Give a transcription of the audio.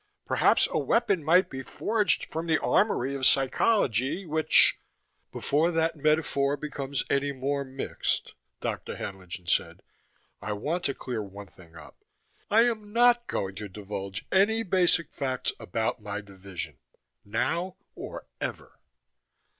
Perhaps a weapon might be forged from the armory of psychology which " "Before that metaphor becomes any more mixed," Dr. Haenlingen said, "I want to clear one thing up. I am not going to divulge any basic facts about my division, now or ever."